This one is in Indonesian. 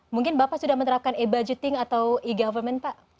mungkin bapak sudah menerapkan e budgeting atau e government pak